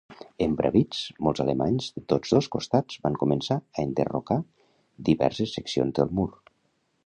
Embravits, molts alemanys de tots dos costats van començar a enderrocar diverses seccions del mur.